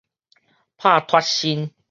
拍脫身